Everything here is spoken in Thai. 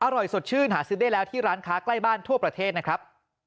อร่อยสดชื่นหาซื้อได้แล้วที่ร้านค้าใกล้บ้านทั่วประเทศนะครับ